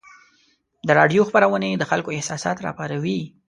د راډیو خپرونې د خلکو احساسات راپاروي.